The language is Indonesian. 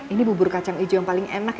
ini bubur kacang ijo yang paling enak ya